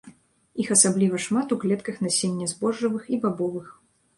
Іх асабліва шмат у клетках насення збожжавых і бабовых.